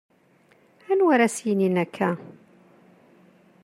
Anwa ara s-yinin akka?